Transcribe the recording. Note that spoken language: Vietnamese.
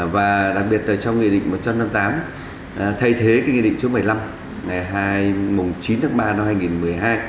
và đặc biệt trong nghề định một trăm năm mươi tám thay thế nghề định chương bảy mươi năm ngày chín tháng ba năm hai nghìn một mươi hai